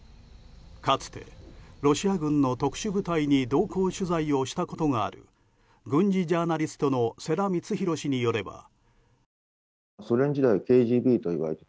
かつてロシア軍の特殊部隊に同行取材をしたことがある軍事ジャーナリストの世良光弘氏によれば。